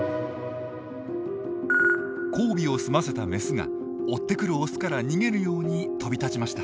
交尾を済ませたメスが追ってくるオスから逃げるように飛び立ちました。